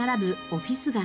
オフィス街。